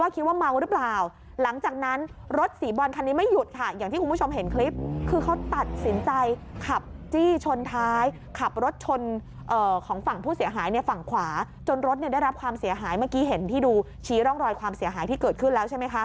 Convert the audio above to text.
เขาตัดสินใจขับจี้ชนท้ายขับรถชนเอ่อของฝั่งผู้เสียหายในฝั่งขวาจนรถเนี่ยได้รับความเสียหายเมื่อกี้เห็นที่ดูชี้ร่องรอยความเสียหายที่เกิดขึ้นแล้วใช่ไหมคะ